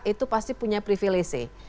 itu pasti punya privilisi